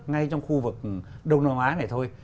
ngay trong khu vực đông nam á này thôi